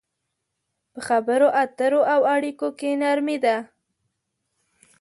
په خبرو اترو او اړيکو کې نرمي ده.